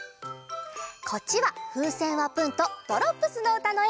こっちは「ふうせんはプン」と「ドロップスのうた」のえ！